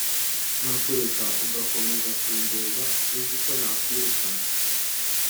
Nkakureka ugakomeza ukandeba uziko nakwirukana